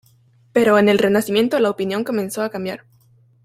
Pero en el Renacimiento la opinión comenzó a cambiar.